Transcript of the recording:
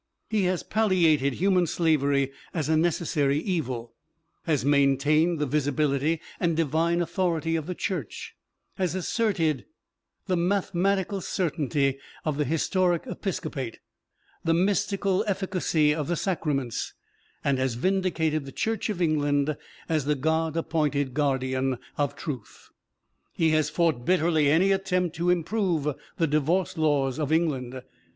He has palliated human slavery as a "necessary evil"; has maintained the visibility and divine authority of the Church; has asserted the mathematical certainty of the historic episcopate, the mystical efficacy of the sacraments; and has vindicated the Church of England as the God appointed guardian of truth. He has fought bitterly any attempt to improve the divorce laws of England.